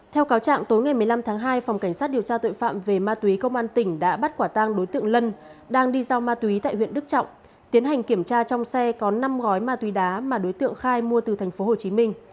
theo cáo trạng tối ngày một mươi năm tháng hai phòng cảnh sát điều tra tội phạm về ma túy công an tỉnh đã bắt quả tang đối tượng lân đang đi giao ma túy tại huyện đức trọng tiến hành kiểm tra trong xe có năm gói ma túy đá mà đối tượng khai mua từ tp hcm